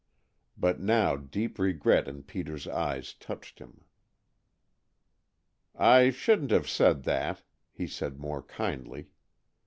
But now deep regret in Peter's eyes touched him. "I shouldn't have said that," he said more kindly.